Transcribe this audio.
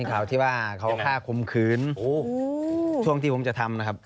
ข่าวที่ว่าเขาฆ่าคมขืนช่วงที่ผมจะทำนะครับ